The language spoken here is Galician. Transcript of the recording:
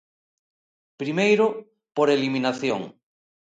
Primeiro, por eliminación.